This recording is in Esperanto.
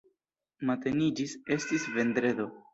Mateniĝis, estis vendredo.